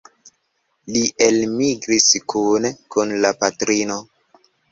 Li elmigris kune kun la patrino.